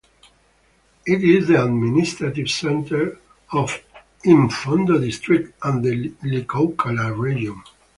It is the administrative centre of Impfondo District and the Likouala Region.